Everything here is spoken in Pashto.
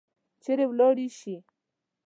چیرې ولاړي شي؟